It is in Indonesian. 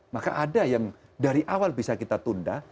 maka ada yang dari awal bisa kita tunda